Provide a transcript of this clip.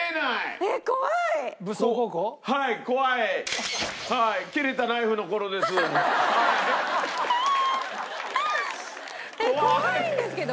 えっ怖いんですけど！